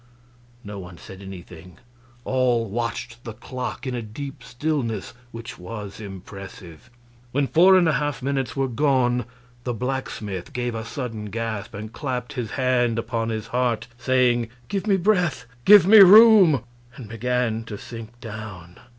No one said anything; all watched the clock in a deep stillness which was impressive. When four and a half minutes were gone the blacksmith gave a sudden gasp and clapped his hands upon his heart, saying, "Give me breath! Give me room!" and began to sink down.